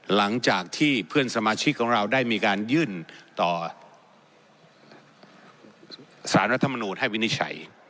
หลังจากที่เพื่อนสมาชิกของเราได้มีการยื่นต่อสารรัฐมนูลให้วินิจฉัย